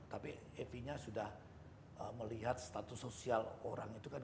tapi epinya sudah melihat status sosial orang itu kan